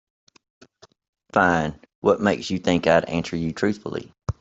Fine, what makes you think I'd answer you truthfully?